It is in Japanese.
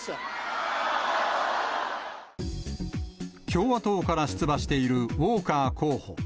共和党から出馬しているウォーカー候補。